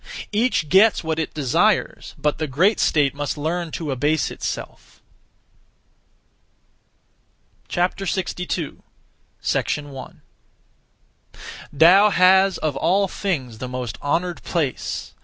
Each gets what it desires, but the great state must learn to abase itself. 62. 1. Tao has of all things the most honoured place.